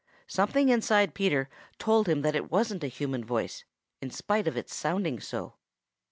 Something inside Peter told him that it wasn't a human voice, in spite of its sounding so.